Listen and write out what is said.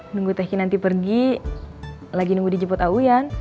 nunggu tehkin nanti pergi lagi nunggu dijemput auyan